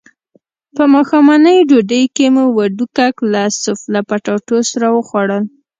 په ماښامنۍ ډوډۍ کې مو وډکوک له سوفله پټاټو سره وخوړل.